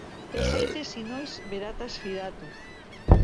Ez zaitez inoiz berataz fidatu.